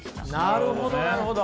なるほどなるほど。